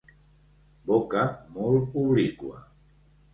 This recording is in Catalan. Boca molt obliqua.